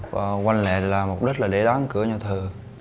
và quanh lại là mục đích là để đóng cửa nhà thờ